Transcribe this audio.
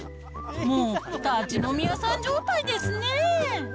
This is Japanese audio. もう、立ち飲み屋さん状態ですね。